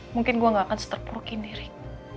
mungkin gue nggak akan seterpuru kini rik